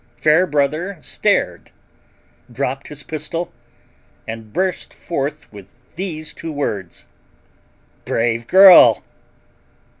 Fairbrother stared, dropped his pistol, and burst forth with these two words: "Brave girl!"